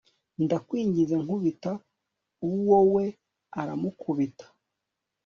ndakwinginze nkubita uwo we aramukubita